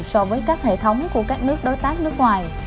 so với các hệ thống của các nước đối tác nước ngoài